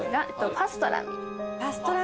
パストラミ。